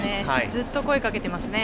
ずっと声をかけていますね。